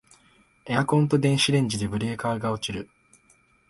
エアコンと電子レンジでブレーカー落ちる